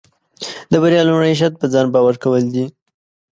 د بریا لومړی شرط پۀ ځان باور کول دي.